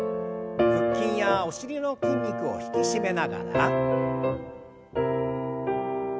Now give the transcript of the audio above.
腹筋やお尻の筋肉を引き締めながら。